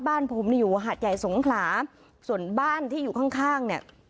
บ้านผมเนี่ยอยู่หาดใหญ่สงขลาส่วนบ้านที่อยู่ข้างข้างเนี่ย